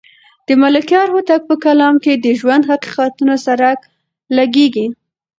د ملکیار هوتک په کلام کې د ژوند د حقیقتونو څرک لګېږي.